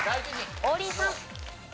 王林さん。